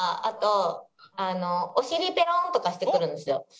あとあのお尻ペロンとかしてくるんですよ。